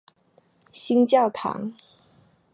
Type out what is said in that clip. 新教堂。